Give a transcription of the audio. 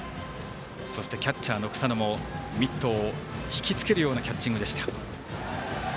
そして、キャッチャーの草野もミットを引きつけるようなキャッチングでした。